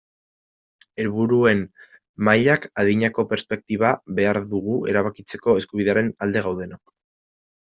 Helburuen mailak adinako perspektiba behar dugu erabakitzeko eskubidearen alde gaudenok.